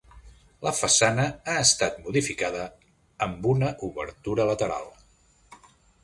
La façana ha estat modificada amb una obertura lateral.